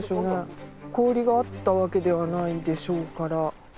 氷があったわけではないでしょうから。